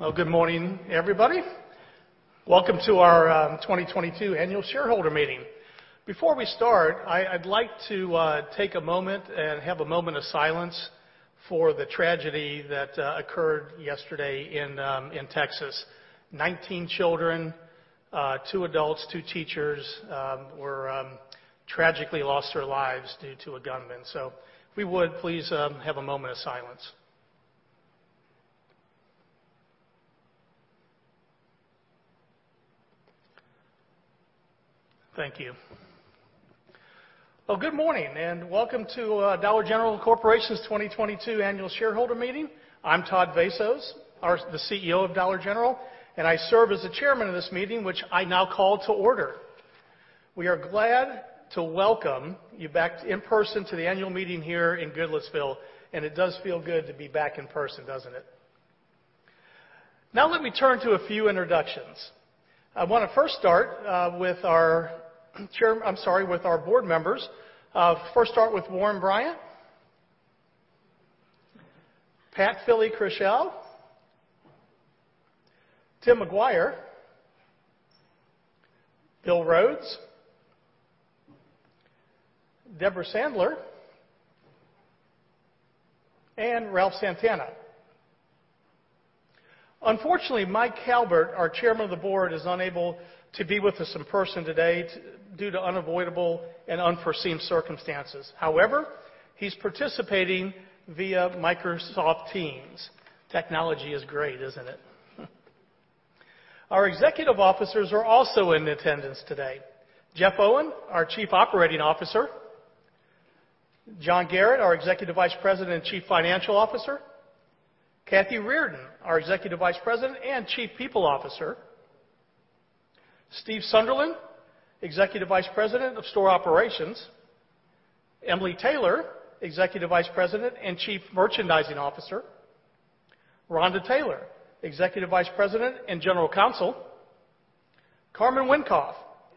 Well, good morning, everybody. Welcome to our 2022 Annual Shareholder Meeting. Before we start, I'd like to take a moment and have a moment of silence for the tragedy that occurred yesterday in Texas. 19 children, two adults, two teachers tragically lost their lives due to a gunman. If we would, please, have a moment of silence. Thank you. Well, good morning, and welcome to Dollar General Corporation's 2022 Annual Shareholder Meeting. I'm Todd Vasos, the CEO of Dollar General, and I serve as the chairman of this meeting, which I now call to order. We are glad to welcome you back in person to the annual meeting here in Goodlettsville, and it does feel good to be back in person, doesn't it? Now, let me turn to a few introductions. I wanna first start with our chair, I'm sorry, with our board members. First start with Warren Bryant, Patricia Fili-Krushel, Timothy McGuire, William Rhodes, Debra Sandler, and Ralph Santana. Unfortunately, Michael Calbert, our Chairman of the Board, is unable to be with us in person today due to unavoidable and unforeseen circumstances. However, he's participating via Microsoft Teams. Technology is great, isn't it? Our executive officers are also in attendance today. Jeffery Owen, our Chief Operating Officer. John Garratt, our Executive Vice President and Chief Financial Officer. Kathy Reardon, our Executive Vice President and Chief People Officer. Steve Sunderland, Executive Vice President of Store Operations. Emily Taylor, Executive Vice President and Chief Merchandising Officer. Rhonda Taylor, Executive Vice President and General Counsel. Carman Wenkoff,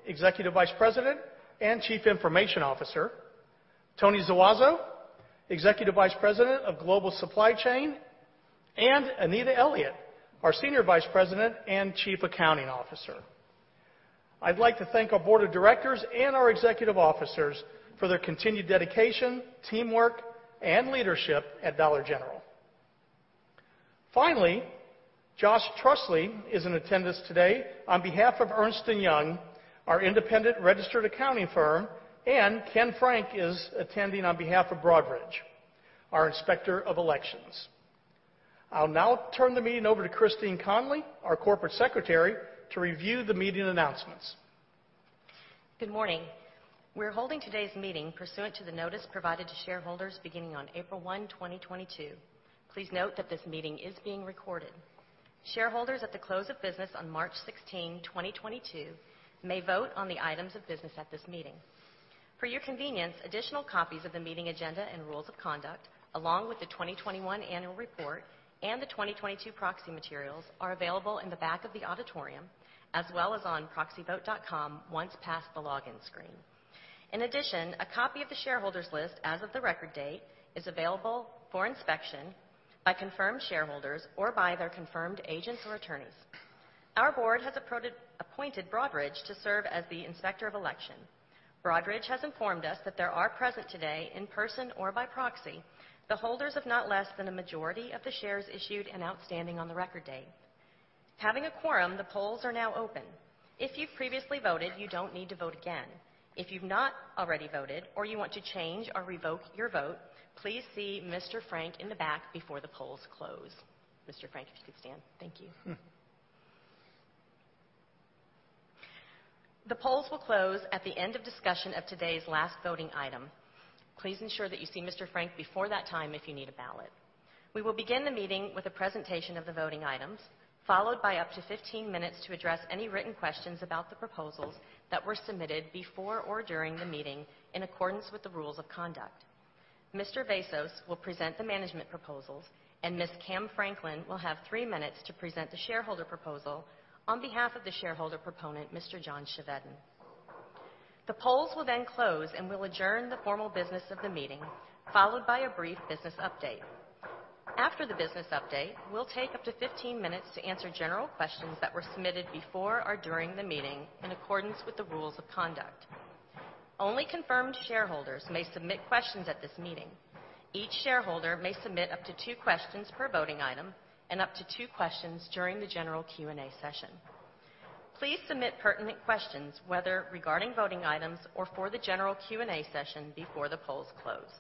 Executive Vice President and Chief Information Officer. Tony Zuazo, Executive Vice President of Global Supply Chain, and Anita C. Elliott, our Senior Vice President and Chief Accounting Officer. I'd like to thank our board of directors and our executive officers for their continued dedication, teamwork, and leadership at Dollar General. Finally, Josh Trusley is in attendance today on behalf of Ernst & Young, our independent registered accounting firm, and Ken Frank is attending on behalf of Broadridge, our Inspector of Elections. I'll now turn the meeting over to Christine Connolly, our Corporate Secretary, to review the meeting announcements. Good morning. We're holding today's meeting pursuant to the notice provided to shareholders beginning on April 1, 2022. Please note that this meeting is being recorded. Shareholders at the close of business on March 16, 2022 may vote on the items of business at this meeting. For your convenience, additional copies of the meeting agenda and rules of conduct, along with the 2021 annual report and the 2022 proxy materials are available in the back of the auditorium, as well as on ProxyVote.com once past the login screen. In addition, a copy of the shareholders list as of the record date is available for inspection by confirmed shareholders or by their confirmed agents or attorneys. Our board has appointed Broadridge to serve as the Inspector of Election. Broadridge has informed us that there are present today, in person or by proxy, the holders of not less than a majority of the shares issued and outstanding on the record date. Having a quorum, the polls are now open. If you've previously voted, you don't need to vote again. If you've not already voted or you want to change or revoke your vote, please see Mr. Frank in the back before the polls close. Mr. Frank, if you could stand. Thank you. The polls will close at the end of discussion of today's last voting item. Please ensure that you see Mr. Frank before that time if you need a ballot. We will begin the meeting with a presentation of the voting items, followed by up to 15 minutes to address any written questions about the proposals that were submitted before or during the meeting in accordance with the rules of conduct. Mr. Vasos will present the management proposals, and Ms. Cam Franklin will have 3 minutes to present the shareholder proposal on behalf of the shareholder proponent, Mr. John Chevedden. The polls will then close, and we'll adjourn the formal business of the meeting, followed by a brief business update. After the business update, we'll take up to 15 minutes to answer general questions that were submitted before or during the meeting in accordance with the rules of conduct. Only confirmed shareholders may submit questions at this meeting. Each shareholder may submit up to two questions per voting item and up to two questions during the general Q&A session. Please submit pertinent questions, whether regarding voting items or for the general Q&A session, before the polls close.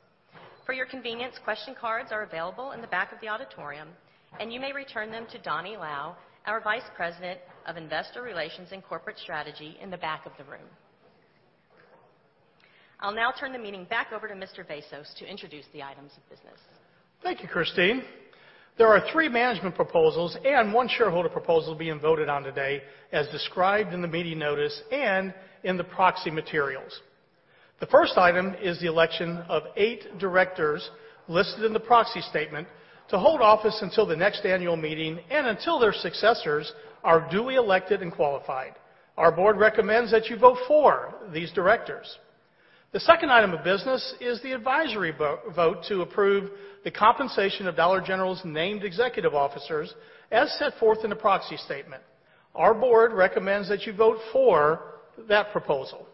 For your convenience, question cards are available in the back of the auditorium, and you may return them to Donny Lau, our Vice President of Investor Relations and Corporate Strategy, in the back of the room. I'll now turn the meeting back over to Mr. Vasos to introduce the items of business. Thank you, Christine. There are three management proposals and one shareholder proposal being voted on today as described in the meeting notice and in the proxy materials. The first item is the election of eight directors listed in the proxy statement to hold office until the next annual meeting and until their successors are duly elected and qualified. Our board recommends that you vote for these directors. The second item of business is the advisory vote to approve the compensation of Dollar General's named executive officers as set forth in the proxy statement. Our board recommends that you vote for that proposal.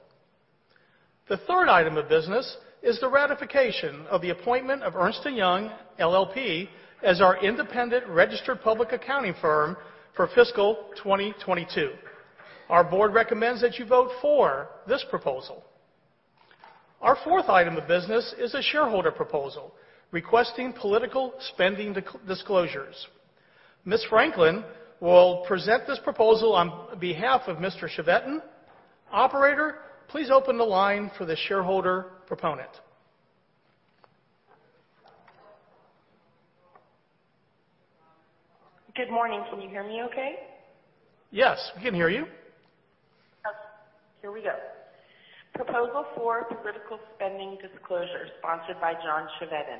The third item of business is the ratification of the appointment of Ernst & Young LLP as our independent registered public accounting firm for fiscal 2022. Our board recommends that you vote for this proposal. Our fourth item of business is a shareholder proposal requesting political spending disclosures. Ms. Franklin will present this proposal on behalf of Mr. Chevedden. Operator, please open the line for the shareholder proponent. Good morning. Can you hear me okay? Yes, we can hear you. Okay. Here we go. Proposal for political spending disclosure sponsored by John Chevedden.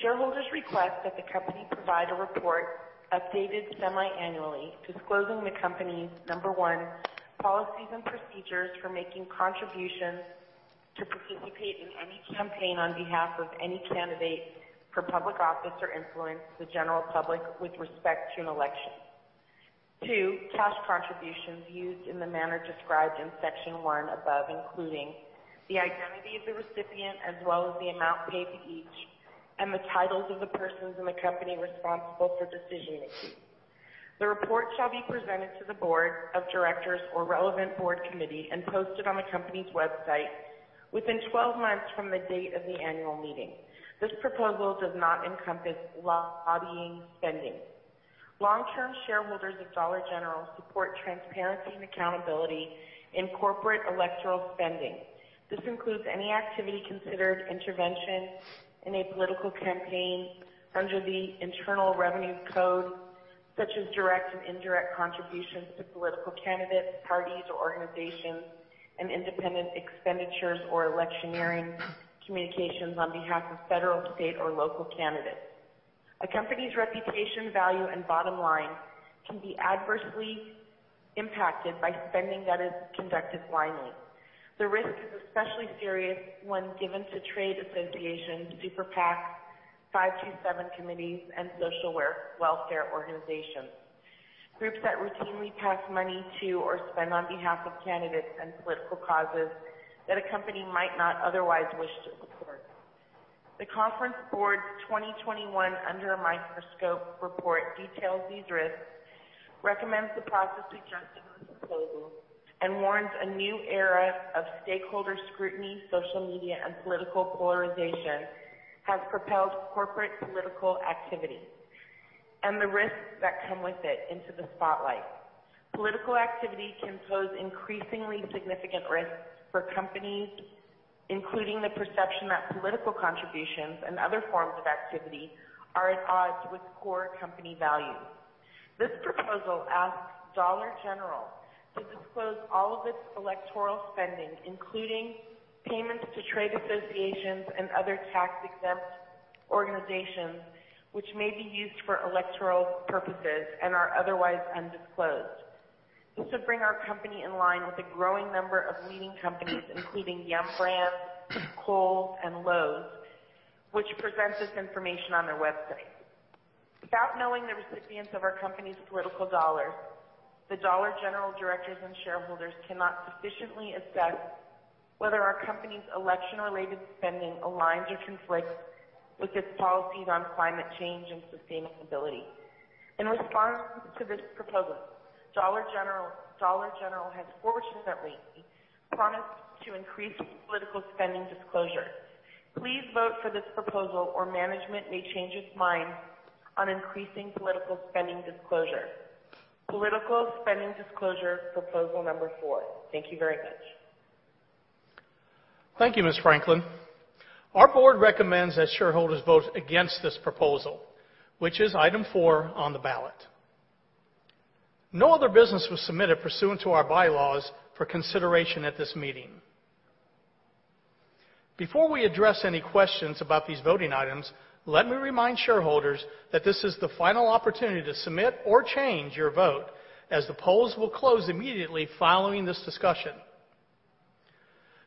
Shareholders request that the company provide a report updated semiannually, disclosing the company's, one, policies and procedures for making contributions to participate in any campaign on behalf of any candidate for public office or influence the general public with respect to an election. Two, cash contributions used in the manner described in section one above, including the identity of the recipient as well as the amount paid to each, and the titles of the persons in the company responsible for decision-making. The report shall be presented to the board of directors or relevant board committee and posted on the company's website within 12 months from the date of the annual meeting. This proposal does not encompass lobbying spending. Long-term shareholders of Dollar General support transparency and accountability in corporate electoral spending. This includes any activity considered intervention in a political campaign under the Internal Revenue Code, such as direct and indirect contributions to political candidates, parties, or organizations, and independent expenditures or electioneering communications on behalf of federal, state, or local candidates. A company's reputation, value, and bottom line can be adversely impacted by spending that is conducted blindly. The risk is especially serious when given to trade associations, super PACs, 527 committees, and social welfare organizations, groups that routinely pass money to or spend on behalf of candidates and political causes that a company might not otherwise wish to support. The Conference Board's 2021 Under a Microscope report details these risks, recommends the process we just disclosed, and warns a new era of stakeholder scrutiny, social media, and political polarization has propelled corporate political activity and the risks that come with it into the spotlight. Political activity can pose increasingly significant risks for companies, including the perception that political contributions and other forms of activity are at odds with core company values. This proposal asks Dollar General to disclose all of its electoral spending, including payments to trade associations and other tax-exempt organizations which may be used for electoral purposes and are otherwise undisclosed. This would bring our company in line with a growing number of leading companies, including Yum! Brands, Kohl's, and Lowe's, which present this information on their website. Without knowing the recipients of our company's political dollars, the Dollar General directors and shareholders cannot sufficiently assess whether our company's election-related spending aligns or conflicts with its policies on climate change and sustainability. In response to this proposal, Dollar General has fortunately promised to increase political spending disclosure. Please vote for this proposal, or management may change its mind on increasing political spending disclosure. Political spending disclosure, proposal number four. Thank you very much. Thank you, Ms. Franklin. Our board recommends that shareholders vote against this proposal, which is item four on the ballot. No other business was submitted pursuant to our bylaws for consideration at this meeting. Before we address any questions about these voting items, let me remind shareholders that this is the final opportunity to submit or change your vote, as the polls will close immediately following this discussion.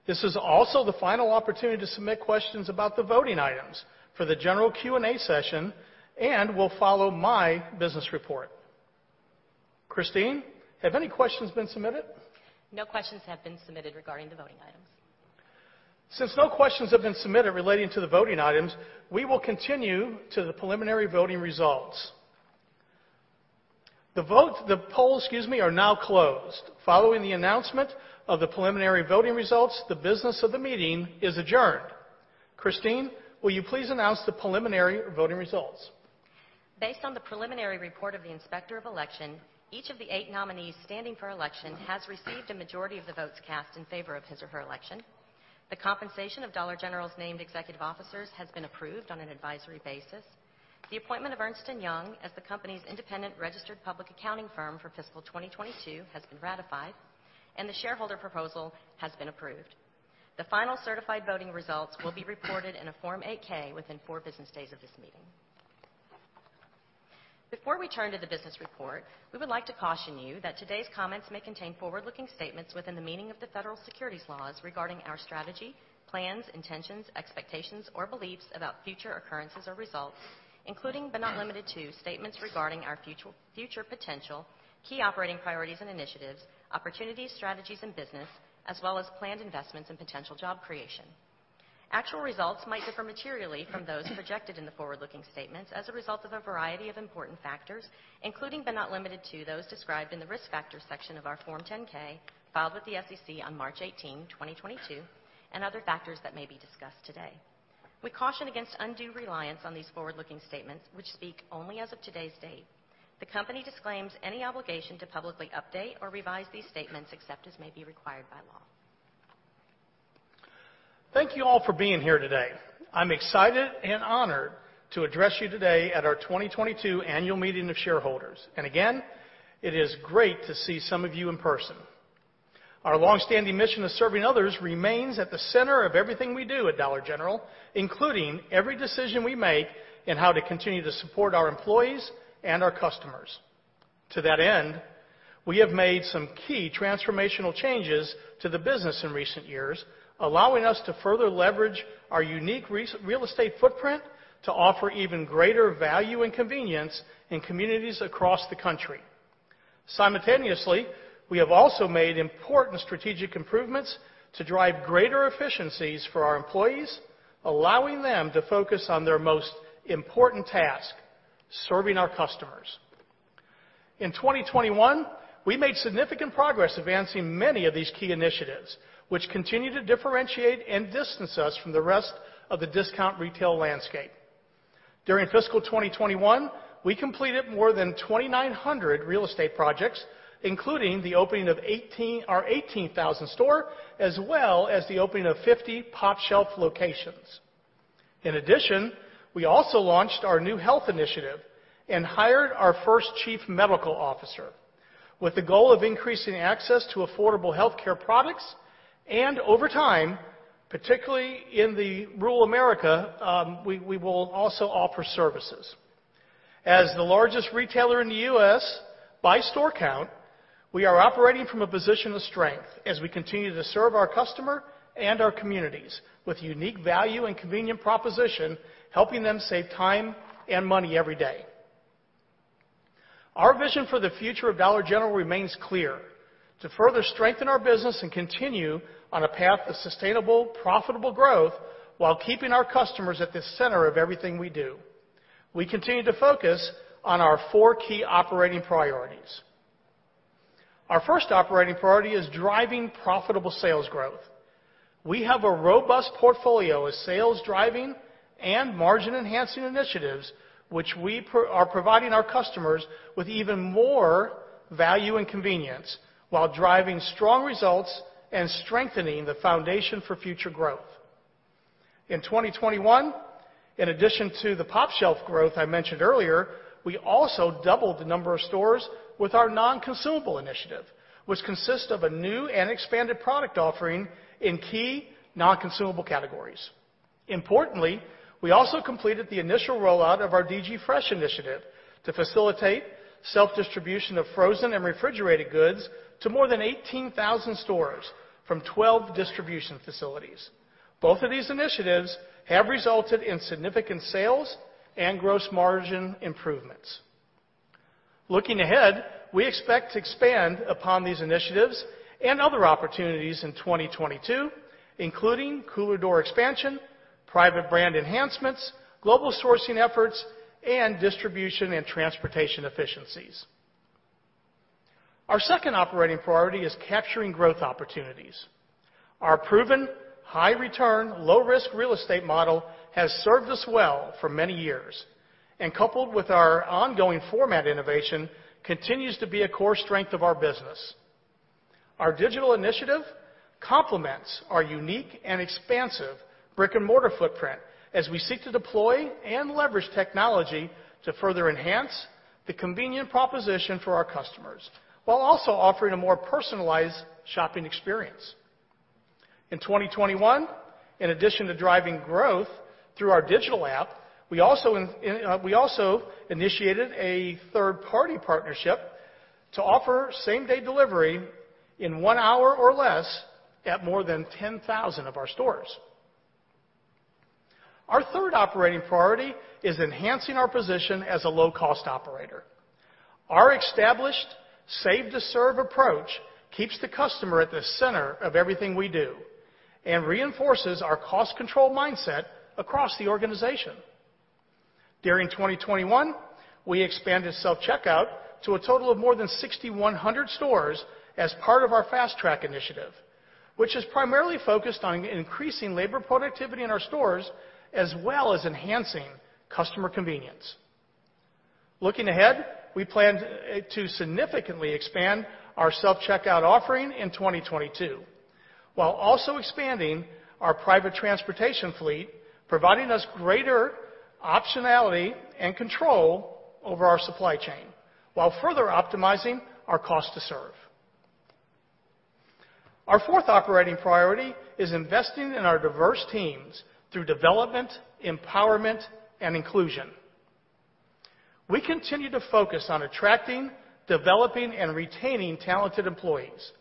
This is also the final opportunity to submit questions about the voting items for the general Q&A session and will follow my business report. Christine, have any questions been submitted? No questions have been submitted regarding the voting items. Since no questions have been submitted relating to the voting items, we will continue to the preliminary voting results. The polls, excuse me, are now closed. Following the announcement of the preliminary voting results, the business of the meeting is adjourned. Christine, will you please announce the preliminary voting results? Based on the preliminary report of the Inspector of Election, each of the eight nominees standing for election has received a majority of the votes cast in favor of his or her election. The compensation of Dollar General's named executive officers has been approved on an advisory basis. The appointment of Ernst & Young as the company's independent registered public accounting firm for fiscal 2022 has been ratified, and the shareholder proposal has been approved. The final certified voting results will be reported in a Form 8-K within four business days of this meeting. Before we turn to the business report, we would like to caution you that today's comments may contain forward-looking statements within the meaning of the federal securities laws regarding our strategy, plans, intentions, expectations, or beliefs about future occurrences or results, including, but not limited to, statements regarding our future potential, key operating priorities and initiatives, opportunities, strategies and business, as well as planned investments and potential job creation. Actual results might differ materially from those projected in the forward-looking statements as a result of a variety of important factors, including, but not limited to, those described in the Risk Factors section of our Form 10-K filed with the SEC on March 18, 2022, and other factors that may be discussed today. We caution against undue reliance on these forward-looking statements, which speak only as of today's date. The company disclaims any obligation to publicly update or revise these statements except as may be required by law. Thank you all for being here today. I'm excited and honored to address you today at our 2022 Annual Meeting of Shareholders. Again, it is great to see some of you in person. Our long-standing mission of serving others remains at the center of everything we do at Dollar General, including every decision we make in how to continue to support our employees and our customers. To that end, we have made some key transformational changes to the business in recent years, allowing us to further leverage our unique real estate footprint to offer even greater value and convenience in communities across the country. Simultaneously, we have also made important strategic improvements to drive greater efficiencies for our employees, allowing them to focus on their most important task, serving our customers. In 2021, we made significant progress advancing many of these key initiatives, which continue to differentiate and distance us from the rest of the discount retail landscape. During fiscal 2021, we completed more than 2,900 real estate projects, including the opening of our 18,000th store, as well as the opening of 50 pOpshelf locations. In addition, we also launched our new health initiative and hired our first chief medical officer with the goal of increasing access to affordable healthcare products, and over time, particularly in rural America, we will also offer services. As the largest retailer in the U.S. by store count, we are operating from a position of strength as we continue to serve our customer and our communities with unique value and convenience proposition, helping them save time and money every day. Our vision for the future of Dollar General remains clear: to further strengthen our business and continue on a path of sustainable, profitable growth while keeping our customers at the center of everything we do. We continue to focus on our four key operating priorities. Our first operating priority is driving profitable sales growth. We have a robust portfolio of sales-driving and margin-enhancing initiatives, which we are providing our customers with even more value and convenience while driving strong results and strengthening the foundation for future growth. In 2021, in addition to the pOpshelf growth I mentioned earlier, we also doubled the number of stores with our Non-Consumable Initiative, which consists of a new and expanded product offering in key non-consumable categories. Importantly, we also completed the initial rollout of our DG Fresh initiative to facilitate self-distribution of frozen and refrigerated goods to more than 18,000 stores from 12 distribution facilities. Both of these initiatives have resulted in significant sales and gross margin improvements. Looking ahead, we expect to expand upon these initiatives and other opportunities in 2022, including cooler door expansion, private brand enhancements, global sourcing efforts, and distribution and transportation efficiencies. Our second operating priority is capturing growth opportunities. Our proven high return, low risk real estate model has served us well for many years, and coupled with our ongoing format innovation, continues to be a core strength of our business. Our digital initiative complements our unique and expansive brick-and-mortar footprint as we seek to deploy and leverage technology to further enhance the convenient proposition for our customers while also offering a more personalized shopping experience. In 2021, in addition to driving growth through our digital app, we also initiated a third-party partnership to offer same-day delivery in one hour or less at more than 10,000 of our stores. Our third operating priority is enhancing our position as a low-cost operator. Our established Save to Serve approach keeps the customer at the center of everything we do and reinforces our cost control mindset across the organization. During 2021, we expanded self-checkout to a total of more than 6,100 stores as part of our Fast Track initiative, which is primarily focused on increasing labor productivity in our stores, as well as enhancing customer convenience. Looking ahead, we plan to significantly expand our self-checkout offering in 2022, while also expanding our private transportation fleet, providing us greater optionality and control over our supply chain while further optimizing our cost to serve. Our fourth operating priority is investing in our diverse teams through development, empowerment, and inclusion. We continue to focus on attracting, developing, and retaining talented employees.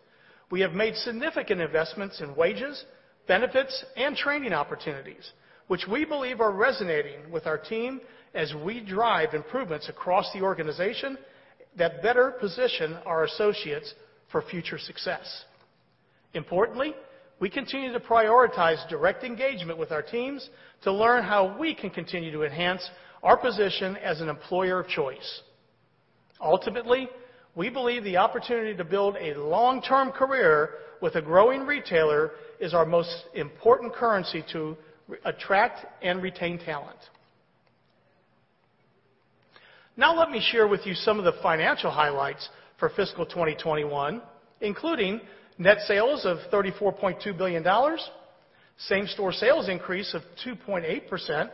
We have made significant investments in wages, benefits, and training opportunities, which we believe are resonating with our team as we drive improvements across the organization that better position our associates for future success. Importantly, we continue to prioritize direct engagement with our teams to learn how we can continue to enhance our position as an employer of choice. Ultimately, we believe the opportunity to build a long-term career with a growing retailer is our most important currency to attract and retain talent. Now let me share with you some of the financial highlights for fiscal 2021, including net sales of $34.2 billion, same-store sales decrease of 2.8%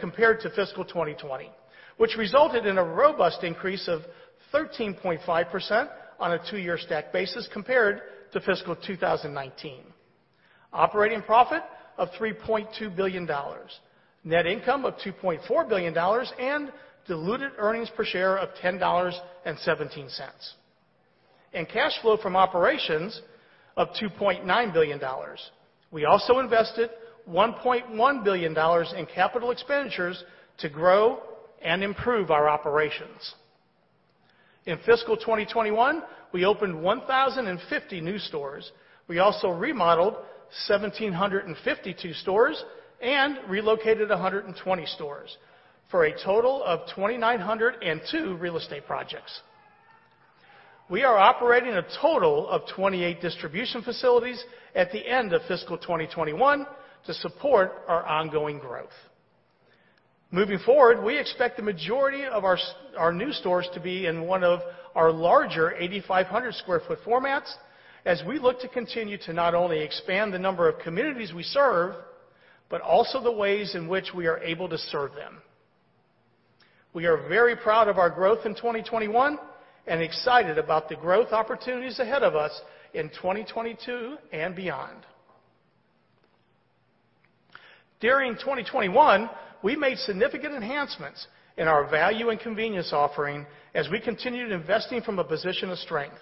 compared to fiscal 2020, which resulted in a robust increase of 13.5% on a two-year stack basis compared to fiscal 2019. Operating profit of $3.2 billion, net income of $2.4 billion, and diluted earnings per share of $10.17, and cash flow from operations of $2.9 billion. We also invested $1.1 billion in capital expenditures to grow and improve our operations. In fiscal 2021, we opened 1,050 new stores. We remodeled 1,752 stores and relocated 120 stores for a total of 2,902 real estate projects. We are operating a total of 28 distribution facilities at the end of fiscal 2021 to support our ongoing growth. Moving forward, we expect the majority of our new stores to be in one of our larger 8,500 sq ft formats as we look to continue to not only expand the number of communities we serve, but also the ways in which we are able to serve them. We are very proud of our growth in 2021 and excited about the growth opportunities ahead of us in 2022 and beyond. During 2021, we made significant enhancements in our value and convenience offering as we continued investing from a position of strength.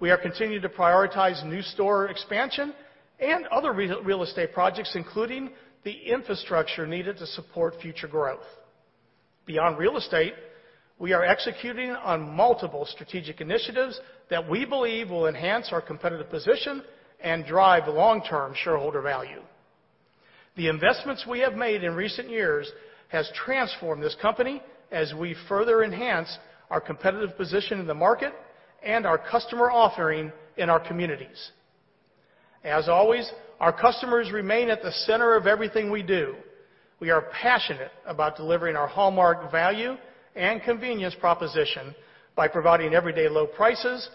We are continuing to prioritize new store expansion and other real estate projects, including the infrastructure needed to support future growth. Beyond real estate, we are executing on multiple strategic initiatives that we believe will enhance our competitive position and drive long-term shareholder value. The investments we have made in recent years has transformed this company as we further enhance our competitive position in the market and our customer offering in our communities. As always, our customers remain at the center of everything we do. We are passionate about delivering our hallmark value and convenience proposition by providing everyday low prices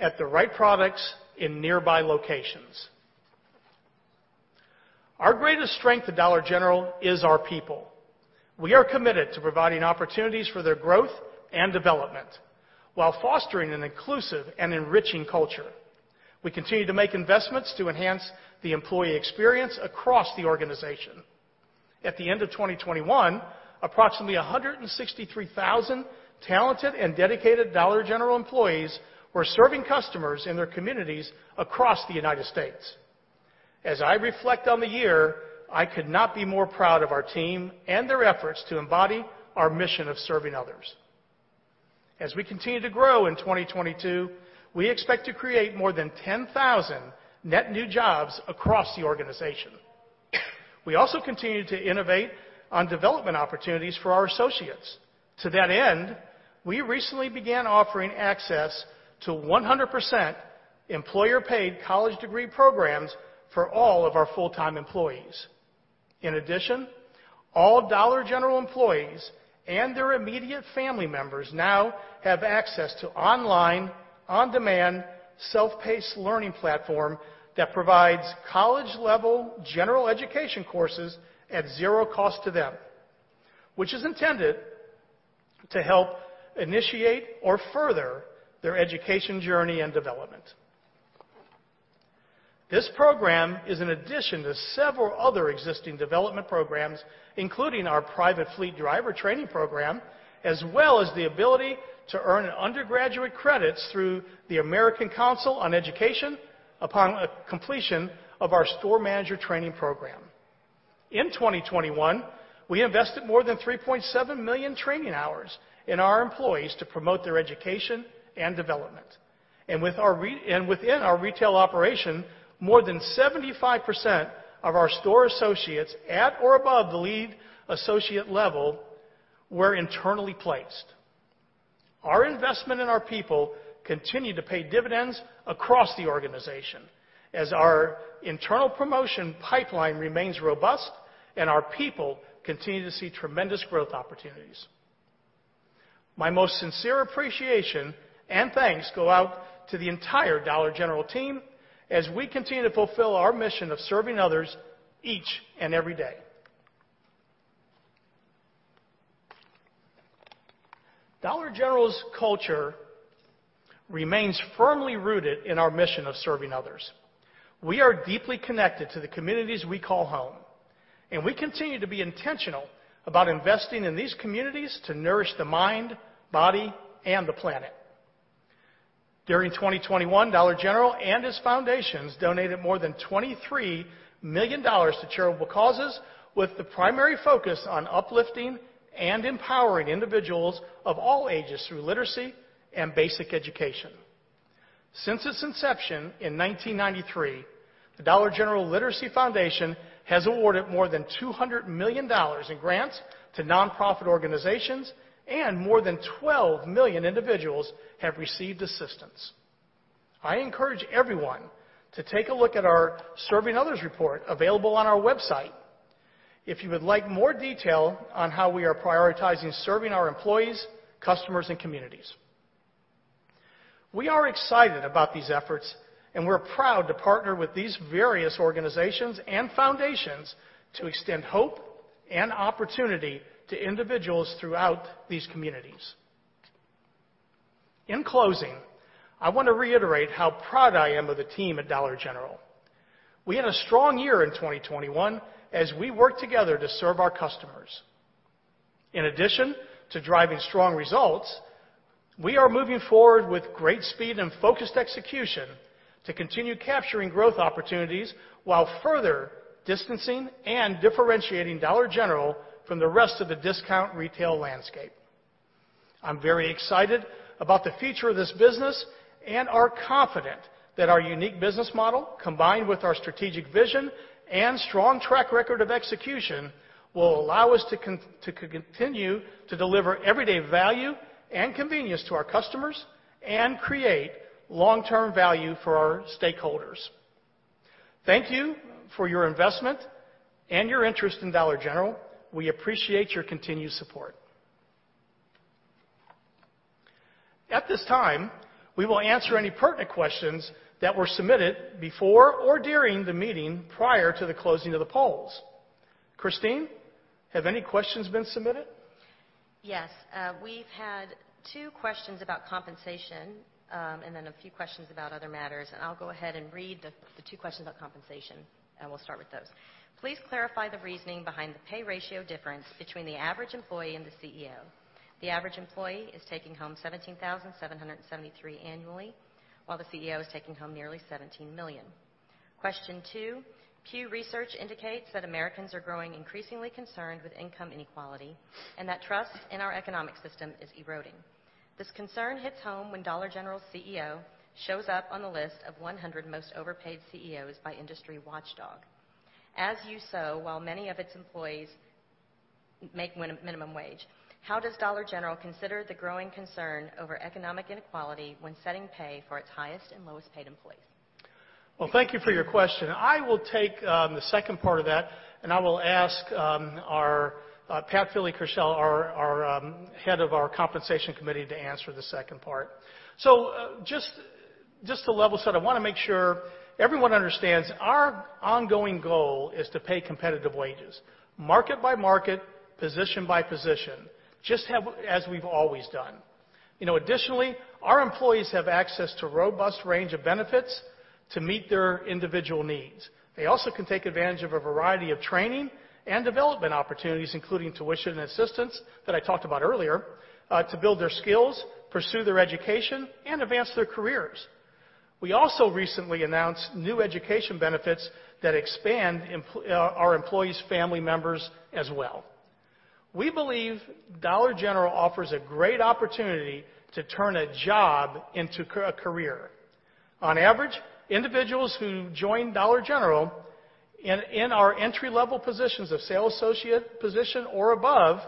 at the right products in nearby locations. Our greatest strength at Dollar General is our people. We are committed to providing opportunities for their growth and development while fostering an inclusive and enriching culture. We continue to make investments to enhance the employee experience across the organization. At the end of 2021, approximately 163,000 talented and dedicated Dollar General employees were serving customers in their communities across the United States. As I reflect on the year, I could not be more proud of our team and their efforts to embody our mission of serving others. As we continue to grow in 2022, we expect to create more than 10,000 net new jobs across the organization. We also continue to innovate on development opportunities for our associates. To that end, we recently began offering access to 100% employer-paid college degree programs for all of our full-time employees. In addition, all Dollar General employees and their immediate family members now have access to online, on-demand, self-paced learning platform that provides college-level general education courses at zero cost to them, which is intended to help initiate or further their education journey and development. This program is an addition to several other existing development programs, including our private fleet driver training program, as well as the ability to earn undergraduate credits through the American Council on Education upon completion of our store manager training program. In 2021, we invested more than 3.7 million training hours in our employees to promote their education and development. Within our retail operation, more than 75% of our store associates at or above the lead associate level were internally placed. Our investment in our people continue to pay dividends across the organization as our internal promotion pipeline remains robust and our people continue to see tremendous growth opportunities. My most sincere appreciation and thanks go out to the entire Dollar General team as we continue to fulfill our mission of serving others each and every day. Dollar General's culture remains firmly rooted in our mission of serving others. We are deeply connected to the communities we call home, and we continue to be intentional about investing in these communities to nourish the mind, body, and the planet. During 2021, Dollar General and its foundations donated more than $23 million to charitable causes, with the primary focus on uplifting and empowering individuals of all ages through literacy and basic education. Since its inception in 1993, the Dollar General Literacy Foundation has awarded more than $200 million in grants to nonprofit organizations, and more than 12 million individuals have received assistance. I encourage everyone to take a look at our Serving Others report available on our website if you would like more detail on how we are prioritizing serving our employees, customers, and communities. We are excited about these efforts, and we're proud to partner with these various organizations and foundations to extend hope and opportunity to individuals throughout these communities. In closing, I want to reiterate how proud I am of the team at Dollar General. We had a strong year in 2021 as we worked together to serve our customers. In addition to driving strong results, we are moving forward with great speed and focused execution to continue capturing growth opportunities while further distancing and differentiating Dollar General from the rest of the discount retail landscape. I'm very excited about the future of this business and are confident that our unique business model, combined with our strategic vision and strong track record of execution, will allow us to to continue to deliver everyday value and convenience to our customers and create long-term value for our stakeholders. Thank you for your investment and your interest in Dollar General. We appreciate your continued support. At this time, we will answer any pertinent questions that were submitted before or during the meeting prior to the closing of the polls. Christine, have any questions been submitted? Yes. We've had two questions about compensation, and then a few questions about other matters. I'll go ahead and read the two questions about compensation, and we'll start with those. Please clarify the reasoning behind the pay ratio difference between the average employee and the CEO. The average employee is taking home $17,773 annually, while the CEO is taking home nearly $17 million. Question two, Pew Research indicates that Americans are growing increasingly concerned with income inequality and that trust in our economic system is eroding. This concern hits home when Dollar General's CEO shows up on the list of 100 most overpaid CEOs by industry watchdog As You Sow, while many of its employees make minimum wage, how does Dollar General consider the growing concern over economic inequality when setting pay for its highest and lowest paid employees? Well, thank you for your question. I will take the second part of that, and I will ask our Pat Fili-Krushel, our head of our compensation committee, to answer the second part. Just to level set, I wanna make sure everyone understands our ongoing goal is to pay competitive wages, market by market, position by position, as we've always done. You know, additionally, our employees have access to a robust range of benefits to meet their individual needs. They also can take advantage of a variety of training and development opportunities, including tuition assistance that I talked about earlier, to build their skills, pursue their education, and advance their careers. We also recently announced new education benefits that expand our employees' family members as well. We believe Dollar General offers a great opportunity to turn a job into a career. On average, individuals who join Dollar General in our entry-level positions of sales associate position or above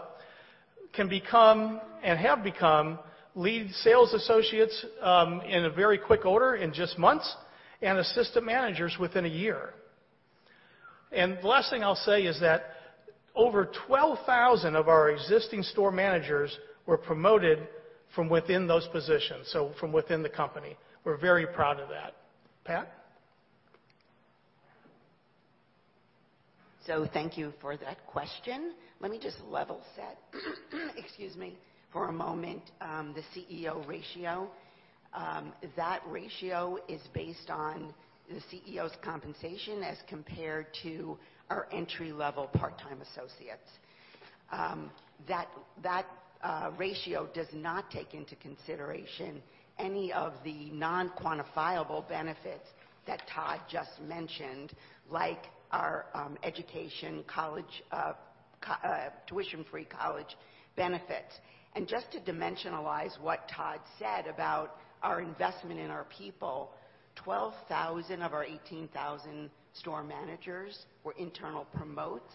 can become and have become lead sales associates in a very quick order, in just months, and assistant managers within a year. The last thing I'll say is that over 12,000 of our existing store managers were promoted from within those positions, so from within the company. We're very proud of that. Pat? Thank you for that question. Let me just level set, excuse me, for a moment. The CEO ratio. That ratio is based on the CEO's compensation as compared to our entry-level part-time associates. That ratio does not take into consideration any of the non-quantifiable benefits that Todd just mentioned like our education college tuition-free college benefits. Just to dimensionalize what Todd said about our investment in our people, 12,000 of our 18,000 store managers were internal promotes.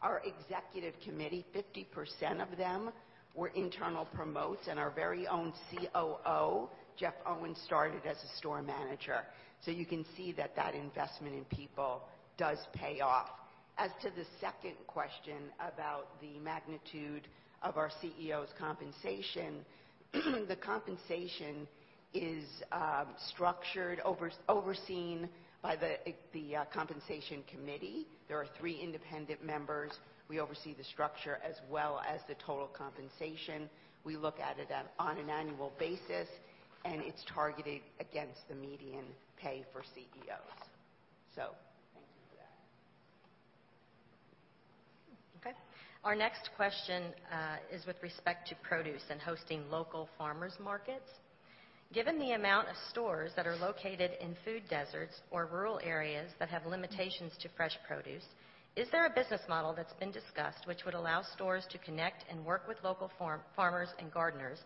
Our executive committee, 50% of them were internal promotes, and our very own COO, Jeff Owen, started as a store manager. You can see that that investment in people does pay off. As to the second question about the magnitude of our CEO's compensation, the compensation is structured overseen by the compensation committee. There are three independent members. We oversee the structure as well as the total compensation. We look at it on an annual basis, and it's targeted against the median pay for CEOs. Thank you. Okay. Our next question is with respect to produce and hosting local farmers markets. Given the amount of stores that are located in food deserts or rural areas that have limitations to fresh produce, is there a business model that's been discussed, which would allow stores to connect and work with local farmers and gardeners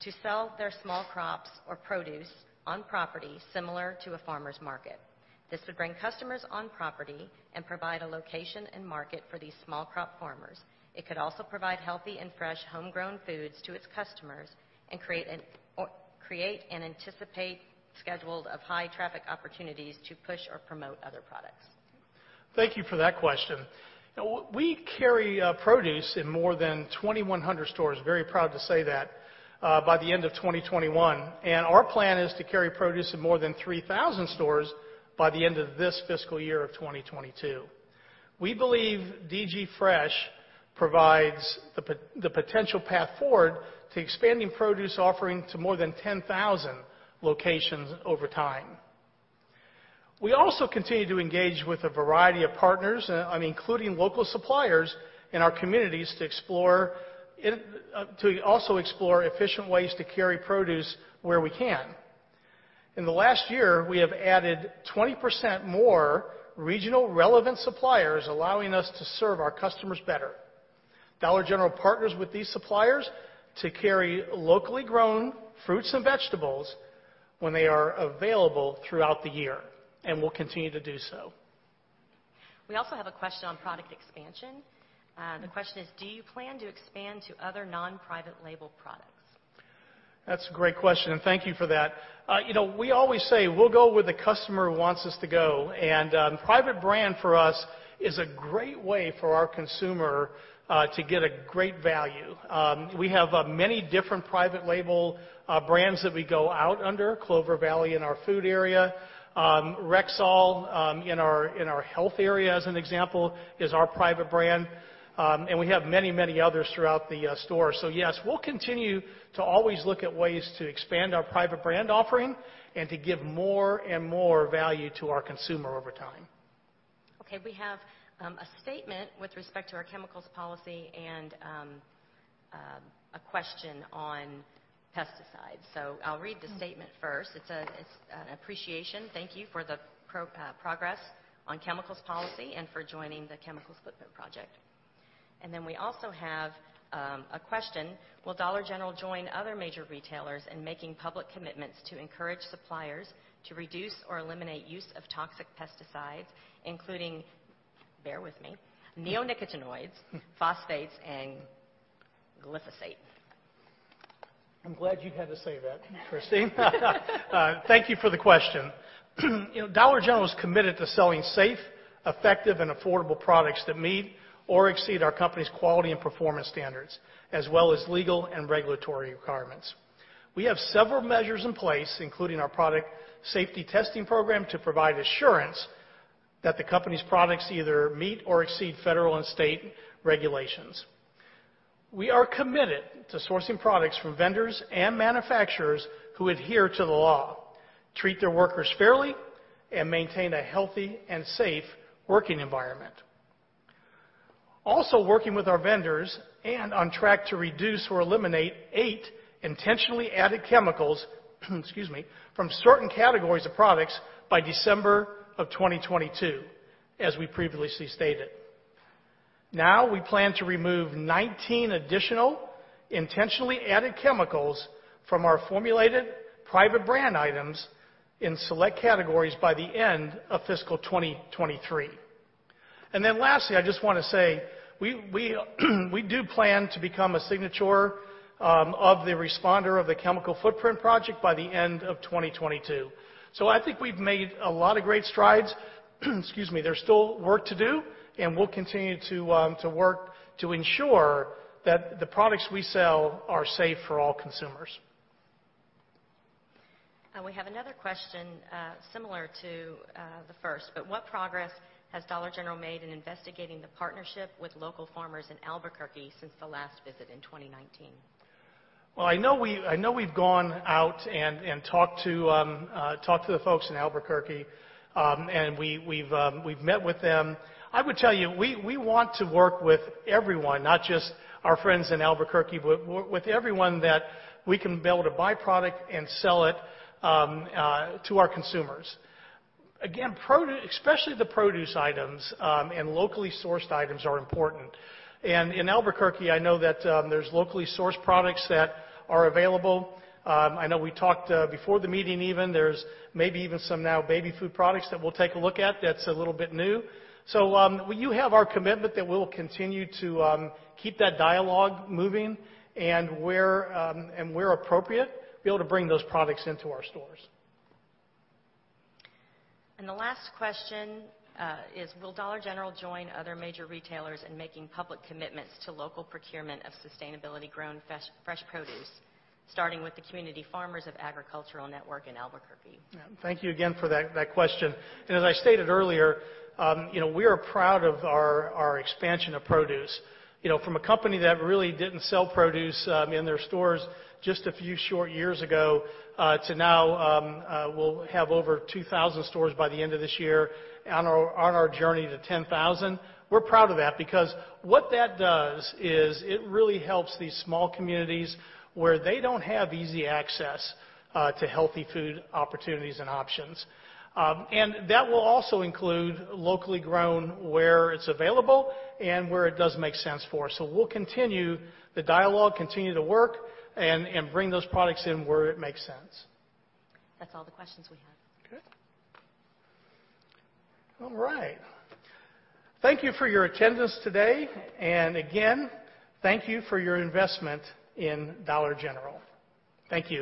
to sell their small crops or produce on property similar to a farmers market? This would bring customers on property and provide a location and market for these small crop farmers. It could also provide healthy and fresh homegrown foods to its customers and create and anticipate schedules of high traffic opportunities to push or promote other products. Thank you for that question. Now, we carry produce in more than 2,100 stores, very proud to say that, by the end of 2021, and our plan is to carry produce in more than 3,000 stores by the end of this fiscal year of 2022. We believe DG Fresh provides the potential path forward to expanding produce offering to more than 10,000 locations over time. We also continue to engage with a variety of partners, I mean, including local suppliers in our communities to also explore efficient ways to carry produce where we can. In the last year, we have added 20% more regionally relevant suppliers, allowing us to serve our customers better. Dollar General partners with these suppliers to carry locally grown fruits and vegetables when they are available throughout the year, and will continue to do so. We also have a question on product expansion. The question is: Do you plan to expand to other non-private label products? That's a great question. Thank you for that. You know, we always say we'll go where the customer wants us to go. Private brand for us is a great way for our consumer to get a great value. We have many different private label brands that we go out under. Clover Valley in our food area, Rexall in our health area, as an example, is our private brand. We have many, many others throughout the store. Yes, we'll continue to always look at ways to expand our private brand offering and to give more and more value to our consumer over time. Okay. We have a statement with respect to our chemicals policy and a question on pesticides. I'll read the statement first. It's an appreciation. Thank you for the progress on chemicals policy and for joining the Chemical Footprint Project. We also have a question: Will Dollar General join other major retailers in making public commitments to encourage suppliers to reduce or eliminate use of toxic pesticides, including, bear with me, neonicotinoids, phosphates, and glyphosate? I'm glad you had to say that, Christine. Thank you for the question. You know, Dollar General is committed to selling safe, effective, and affordable products that meet or exceed our company's quality and performance standards, as well as legal and regulatory requirements. We have several measures in place, including our product safety testing program, to provide assurance that the company's products either meet or exceed federal and state regulations. We are committed to sourcing products from vendors and manufacturers who adhere to the law, treat their workers fairly, and maintain a healthy and safe working environment. Also working with our vendors and on track to reduce or eliminate eight intentionally added chemicals, excuse me, from certain categories of products by December 2022, as we previously stated. Now, we plan to remove 19 additional intentionally added chemicals from our formulated private brand items in select categories by the end of fiscal 2023. Then lastly, I just wanna say, we do plan to become a signatory respondent of the Chemical Footprint Project by the end of 2022. I think we've made a lot of great strides, excuse me. There's still work to do, and we'll continue to work to ensure that the products we sell are safe for all consumers. We have another question, similar to the first. What progress has Dollar General made in investigating the partnership with local farmers in Albuquerque since the last visit in 2019? Well, I know we've gone out and talked to the folks in Albuquerque. We've met with them. I would tell you, we want to work with everyone, not just our friends in Albuquerque, but with everyone that we can be able to buy product and sell it to our consumers. Again, especially the produce items and locally sourced items are important. In Albuquerque, I know that there's locally sourced products that are available. I know we talked before the meeting even, there's maybe even some new baby food products that we'll take a look at that's a little bit new. Well, you have our commitment that we'll continue to keep that dialogue moving and where appropriate, be able to bring those products into our stores. The last question is, will Dollar General join other major retailers in making public commitments to local procurement of sustainably grown fresh produce, starting with the Agri-Cultura Cooperative Network in Albuquerque? Yeah. Thank you again for that question. As I stated earlier, you know, we are proud of our expansion of produce. You know, from a company that really didn't sell produce in their stores just a few short years ago to now, we'll have over 2,000 stores by the end of this year on our journey to 10,000. We're proud of that because what that does is it really helps these small communities where they don't have easy access to healthy food opportunities and options. That will also include locally grown, where it's available and where it does make sense for us. We'll continue the dialogue, continue to work and bring those products in where it makes sense. That's all the questions we have. Okay. All right. Thank you for your attendance today. Again, thank you for your investment in Dollar General. Thank you.